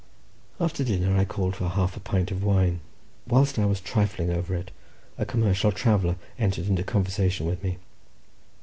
After dinner I called for half a pint of wine. Whilst I was trifling over it, a commercial traveller entered into conversation with me.